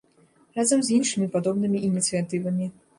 Разам з іншымі падобнымі ініцыятывамі.